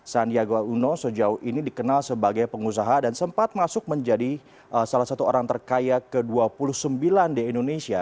sandiaga uno sejauh ini dikenal sebagai pengusaha dan sempat masuk menjadi salah satu orang terkaya ke dua puluh sembilan di indonesia